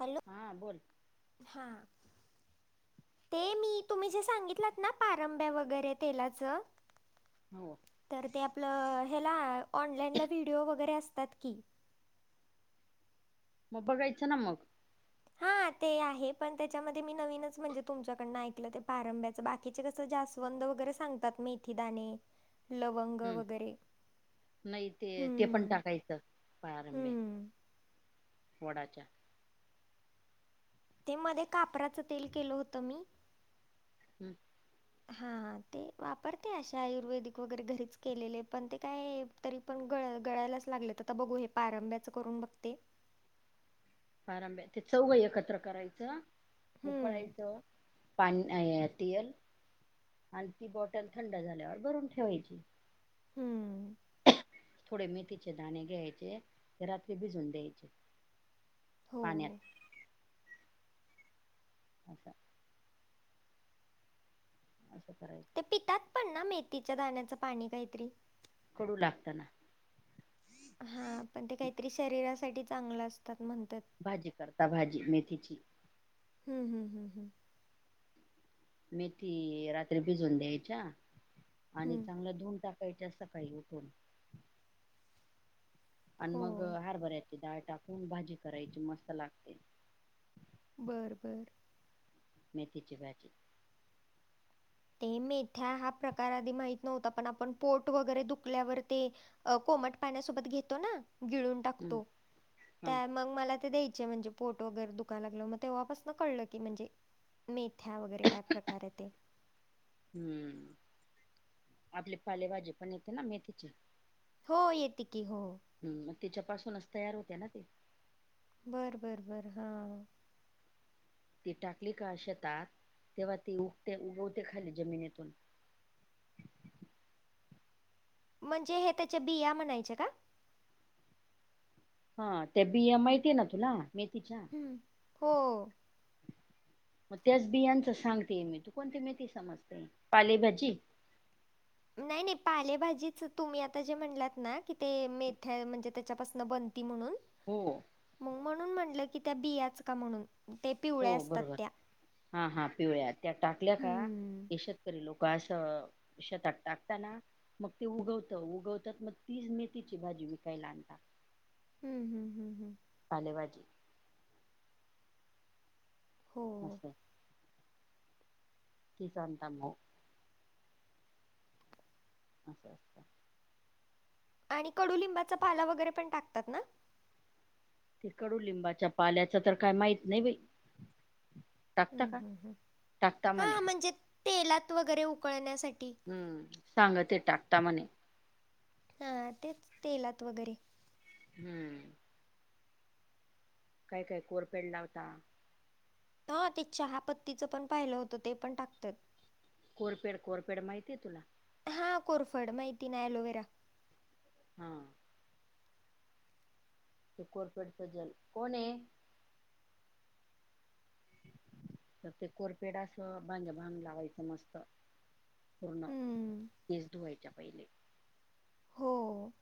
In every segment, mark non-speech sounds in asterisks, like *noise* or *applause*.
Hello बोल हा ते मी तुम्ही जे सांगितलात ना पारंब्या वगैरे तेलाचं. हो. तर ते आपलं ह्याला ऑनलाईनला व्हिडिओ वगैरे असतात की. मुबा कहीच नमुक. हा ते आहे पण त्याच्यामध्ये मी नवीनच म्हणजे तुमच्याकडनं ऐकलं ते पारंभ्या. बाकीचे कस जास्वंद वगैरे सांगतात मेथीदाणे लवंग हम्म वगैरे. नाही ते ते पण हम्म टाकायचं प्रारंभे हम्म वडाच्या. ते मध्ये कापराचं तेल केलं होतं मी. हं हा. ते वापरते अशे आयुर्वेदिक वगैरे घरीच केलेले. पण ते काय? तरी पण गळ गळायलाच लागले, तर आता बघू हे पारंब्याच करून बघते. पारंब्या ते चौघ एकत्र करायचं, हम्म उकळायचं आन तेल आणि ती बॉटल थंड झाल्यावर भरून ठेवायची. हम्म थोडे मेथीचे दाणे घ्यायचे, रात्री भिजून द्यायचे. हो पाण्यात. हो *inaudible* असं करायचं. ते पितात पण ना, मेथीच्या दाण्याचं पाणी काहीतरी. कडू लागतं ना. हा पण ते काहीतरी शरीरासाठी चांगलं असतात म्हणतात. भाजी करता भाजी मेथीची. हम्म हम हम् हम. मेथी रात्री भिजून द्यायच्या. आणि हम्म. चांगलं धुन टाक प्यायचं सकाळी उठून. आणि हो मग हरभऱ्याची डाळ टाकून भाजी करायची मस्त लागते. बरं बरं. मेथीची भाजी. ते मेथ्या हा प्रकार आधी माहित नव्हता. पण आपण पोट वगैरे दुखल्यावर ते अ कोमट पाण्यासोबत घेतो ना, गिळून हम्म टाकतो. हा मग मला ते द्यायचे. म्हणजे पोट वगैरे दुखा लागलं मग तेव्हापासन कळलं की म्हणजे- मेथ्या वगैरे काय प्रकार ते. हम्म. आपली पालेभाजी पण येते ना मेथीची. हो येते की, हो. हम् मग तिच्यापासूनच तयार होते ना ते. बरं बरं बरं. हा ती टाकली का शेतात. तेव्हा ती उगते उगवते खाली जमिनीतून. म्हणजे हे त्याच्या बिया म्हणायचे का? हा त्या बिया माहिती ना तुला मेथीच्या- हम् *inaudible* हो. मग त्याच बियांचं सांगते मी. तू कोणती मेथी समजते पालेभाजी? नाही नाही पालेभाजीचंच. तुम्ही आता जे म्हणलात ना, कि ते मेथ्या म्हणजे त्याच्यापासून बन ती म्हणून हो. मग म्हणून म्हणलं की, त्या बियाचं का म्हणून? ते हो पिवळ्या असतात बरोबर. त्या. हा हा पिवळ्या त्या टाकल्या का हम्म. शेतात? करी लोक असं शेतात टाकता ना मग ते उगवतं. उगवतात मग तीच मेथीची भाजी विकायला आणतात. हम्म, हम्म, हम्म, हम्म. *inaudible* पालेभाजी हो असं तीच आणता मग. अच्छा! आणि कडुलिंबाचा पाला वगैरे पण टाकतात ना. ते कडुलिंबाच्या पाल्याचं तर काय माहीत नाही बाई टाकता हम्म, का हम्म, हम्म. टाकता म्हणे हां म्हणजे तेलात वगैरे उकळण्यासाठी हम्म सांगते टाकता म्हणे हा तेच तेलात वगैरे हम्म. काय काय कोरपेड लावता हा ते चहा पत्तीचं पण पाहिलं होतं ते पण टाकतात. कोरफेड कोरफेड माहितीय तुला हा कोरफड माहिती ना एलोव्हेरा हा. कोरफेडच जल, कोण आहे? तर ते कोरफेड असं भांजभांग लावायचं मस्त पूर्ण हम्म. केस धुवायच्या पहिले. हो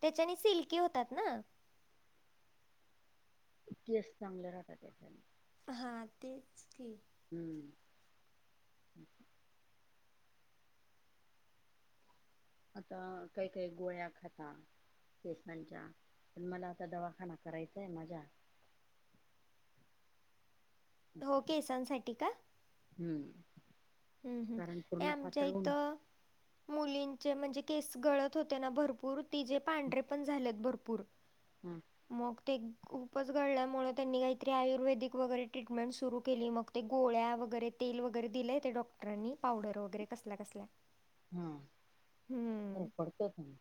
त्याच्याने सिल्की होतात ना? केस चांगले राहतात त्याच्यात हा तेच की हम्म. आता काही काही गोळ्या खाता केसांच्या पण मला आता दवाखाना करायचा आहे माझ्या हो केसांसाठी का हम्म. हम्म हम्म कारण हे पूर्ण आमच्या पातळ होऊन इथं मुलींचे म्हणजे केस गळत होते ना भरपूर तिचे पांढरे पण झालेत भरपूर हा म ते खूपच गळल्यामुळे त्यांनी काहीतरी आयुर्वेदिक वगैरे ट्रीटमेंट सुरू केली मग ते गोळ्या वगैरे तेल वगैरे दिलंय त्या डॉक्टरांनी पावडर वगैरे कसल्या कसल्या हा काही हम्म पडत की नाही.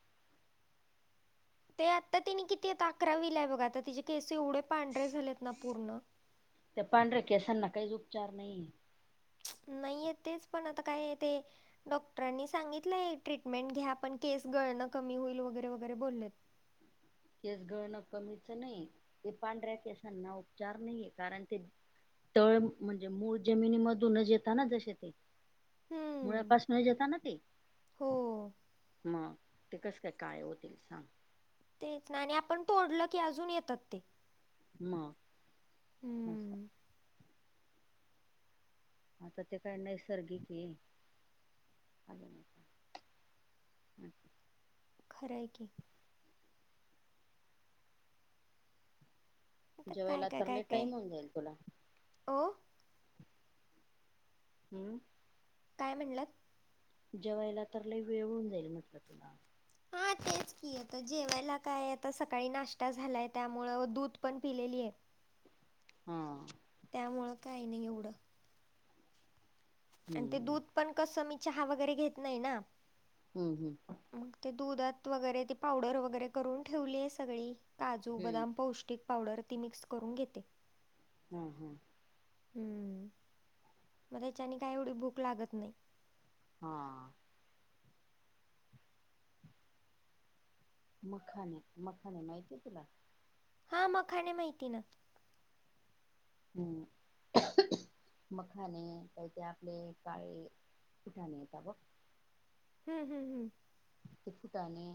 ते आता तिने किती एक आकरावीला हाय बघा आता तिचे केस एवढे पांढरे झालेत ना पूर्ण त्या पांढऱ्या केसांना काहीच उपचार नाही नाहीए तेच पण आता काय ते डॉक्टरांनी सांगितलं आहे ट्रीटमेंट घ्या पण केस गळणं कमी होईल वगैरे वगैरे बोलले केस गळणं कमीच नाही ते पांढऱ्या केसांना उपचार नाहीेए कारण ते तळ म्हणजे मूळ जमिनी मधूनच येेतना तसे ते हम्म मुळापासनच येत ना ते हो मग ते कस काय काळे होतील सांग. तेच ना आणि आपण तोडलं की अजून येतात ते म अस आहे. हम्म आता ते काय नैसर्गिक आहे *unintelligible* खर हाय की काय जेवायला काय तर काय लय काय टाईम होऊन जाईल तुला हो. हम्म. काय म्हणलात? जेवायला तर लय वेळ होऊन जाईल म्हटलं तुला. हा तेच की जेवायला काय आता सकाळी नाश्ता झालाय त्यामूळ दूध पण पिलेली आहे. हम्म. त्यामुळं काही नाही एवढं. आणि ते हम्म दूध पण कसं मी चहा वगैरे घेत नाही ना. हम्म हम्. मग ते दुधात वगैरे ती पावडर वगैरे करून ठेवलीय सगळी. काजू हम्म बदाम पौष्टिक पावडर ती मिक्स करून घेते. हम हम. हम्म. मग त्याच्याने काही एवढी भूक लागत नाही. हा. मखाने मखाने माहितीय तुला? हा मखाणे माहिती आहे ना. हम्म. मखाने काही ते आपले काळे कुटानेे त बघ. हम्म हम् हम् ते फुटाने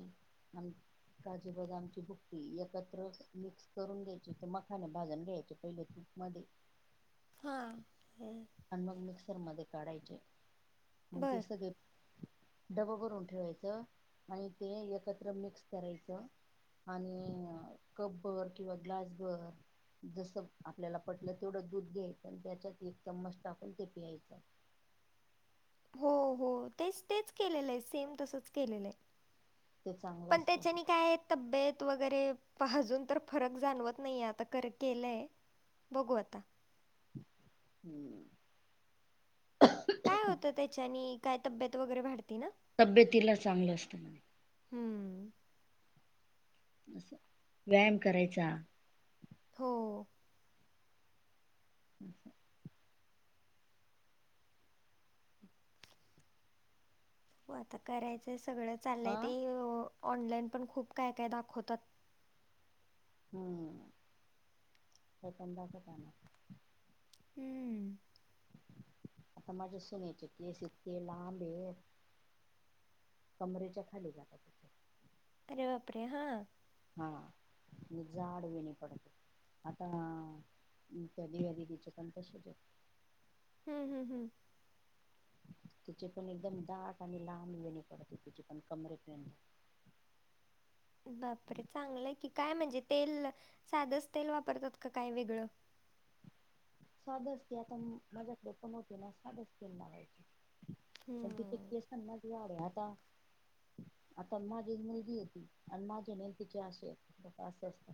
काजू बदामची भुकी एकत्र मी करून घ्यायची तर मखाने भाजून घ्यायचे पहिले तूपमध्ये. हा ह. आणि मग मिक्सर मध्ये काढायचे मग ते बर सगळे डब भरून ठेवायचं आणि ते एकत्र मिक्स करायचं. आणि कप भर किंवा ग्लास भर, जसं आपल्याला पटलं तेवढं दूध घ्यायचं त्याच्यात एक चमच टाकून ते पियायचं. हो हो तेच तेच केलेलं आहे सेम तसच केलेलं आहे. ते चांगलं पण असतं त्याच्यानी काय- तब्येत वगैरे अजून तर फरक जाणवत नाहीे आता कर केलंय. बघू आता. हम्म काय होतं त्याच्यानी काय तब्येत वगैरे वाढती ना. तब्येतीला चांगलं असतं म्हणे. हम्म असं व्यायाम करायचा. हो. *inaudible* हो आता करायचंय सगळं चाललंय हा ते ऑनलाईन पण खूप काय काय दाखवतात. हम्म ते पण दाखवता ना. हम्म आता माझ्या सुनेचे केस इतके लांब हे. कमरेच्या खाली जातात. अरे बाप रे हा. हा नि जाड वेणी पडत आता त्या दिया दिदी चे पण तसे आहे. हम्म हम् हम् तिचे पण एकदम दाट आणि लांब वेणी पडते तिचे पण कमरे पर्यंत. बापरे चांगलं की काय म्हणजे तेल साधच तेल वापरतात का काय वेगळं. सादच असते आता माझ्याकडे कमवते ना सादच तेल लावाते पण तिथे हम्म. केसांना च वाढय आता आता माझी एक मुलगी होती आणि माझे नाही न तिचे आशे असे असत.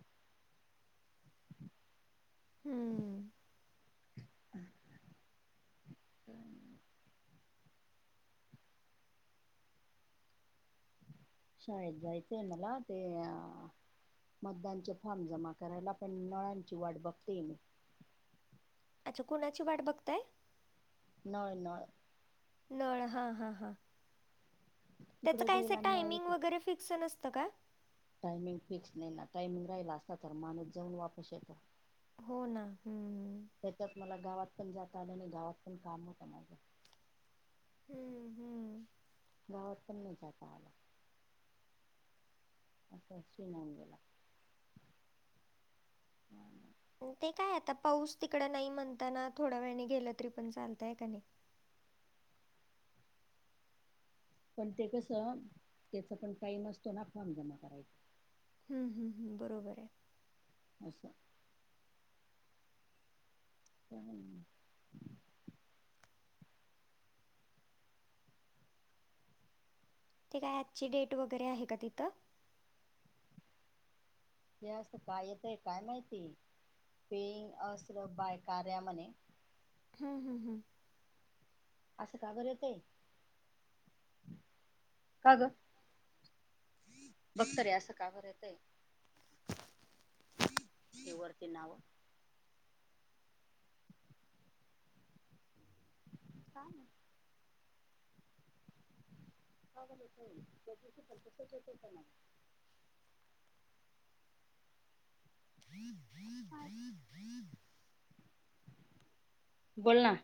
हम्म. शाळेत जायचंय मला ते अ मतदानचे फॉर्म जमा करायला आपण नळांची वाट बघतेय मी. अच्छा कुणाची वाट बघताय? नळ नळ. नळ हा हा हा त्याचं इकडे काय जाईल असं आणि नळ टायमिंग वगैरे फिक्स नसतं का? टायमिंग फिक्स नाही ना टायमिंग राहिला असता तर मानुस जाऊन वापस येतो. हो ना हम्म. त्याच्याच मला गावात पण जाता आल आणि गावात पण काम होतं माझं. हम्म हम्म. गावात पण नाही जात आल. *unintelligible* गेला. ते काय आता पाऊस तिकडं नाही म्हणताना थोड्या वेळने गेलं तरी पण चालतय का नाही? पण ते कसं त्याचा पण टाईम असतो ना फॉर्म जमा करायचा. हम्म हम्म हम्म बरोबर आहे. अस. *inaudible* ते काय आजची डेट वगैरे आहे का तिथं? हे अस काय येतय काय माहिती पेंग असल बाय कार्या म्हणे हम्म हम्म हम्म. असं का बर येतय. का ग बघ तरी असं काबर येतय? ते वरती नाव. का? *unintelligible* ना बोल ना.